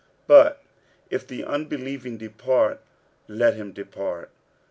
46:007:015 But if the unbelieving depart, let him depart.